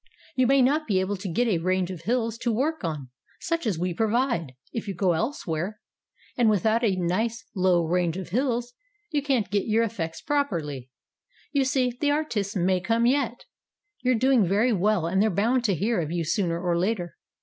"You may not be able to get a range of hills to work on, such as we provide, if you go elsewhere. And without a nice low range of hills you can't get your APPRECIATION 281 effects properly. You see, the artists may come yet. You're doing very well, and they're bound to hear of you sooner or later.